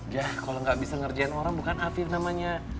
yah kalau gak bisa ngerjain orang bukan hafif namanya